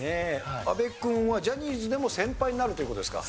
阿部君はジャニーズでも先輩になるという事ですか？